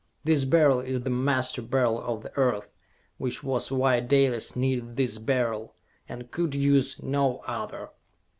This Beryl is the Master Beryl of the Earth, which was why Dalis needed this Beryl, and could use no other!"